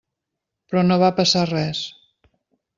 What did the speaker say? Però no va passar res.